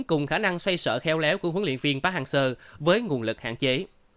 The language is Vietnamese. cùng khả năng xoay sở khéo léo của huấn luyện viên park hang seo với nguồn lực hạn chế